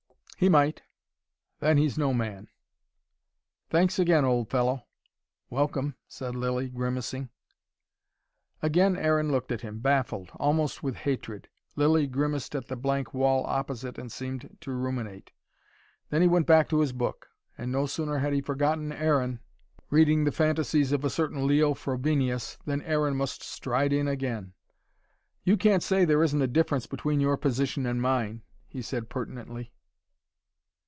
"He might." "Then he's no man." "Thanks again, old fellow." "Welcome," said Lilly, grimacing. Again Aaron looked at him, baffled, almost with hatred. Lilly grimaced at the blank wall opposite, and seemed to ruminate. Then he went back to his book. And no sooner had he forgotten Aaron, reading the fantasies of a certain Leo Frobenius, than Aaron must stride in again. "You can't say there isn't a difference between your position and mine," he said pertinently.